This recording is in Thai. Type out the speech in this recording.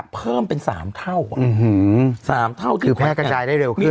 เพิ่มเป็น๓เท่า๓เท่าถึงแพร่กระจายได้เร็วขึ้น